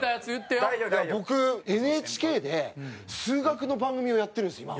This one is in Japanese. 僕ＮＨＫで数学の番組をやってるんですよ今。